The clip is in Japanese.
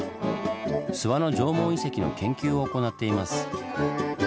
諏訪の縄文遺跡の研究を行っています。